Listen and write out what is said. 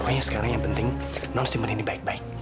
pokoknya sekarang yang penting non simpen ini baik baik